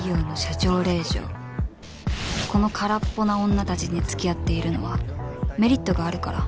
この空っぽな女たちに付き合っているのはメリットがあるから